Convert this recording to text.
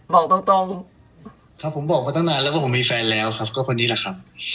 บอกตรงครับผมบอกมาตั้งนานแล้วว่าผมมีแฟนแล้วครับก็คนนี้แหละครับ